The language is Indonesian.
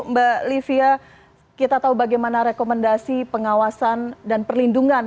mbak livia kita tahu bagaimana rekomendasi pengawasan dan perlindungan